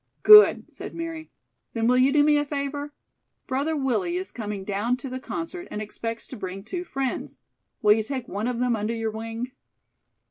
"Good," said Mary. "Then, will you do me a favor? Brother Willie is coming down to the concert and expects to bring two friends. Will you take one of them under your wing?"